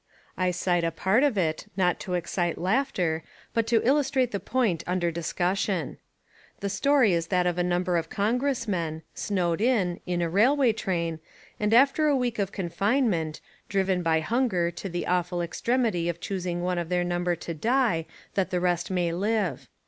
I cite a part of it, not to excite laughter, but to illustrate the point under dis cussion. The story is that of a number of Con gressmen, snowed in, in a railway train, and after a week of confinement, driven by hunger to the awful extremity of choosing one of their number to die that the rest may live.